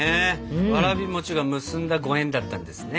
わらび餅が結んだご縁だったんですね。